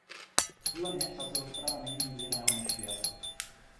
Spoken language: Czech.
Podle mě tato rozprava není nic jiného než fiasko.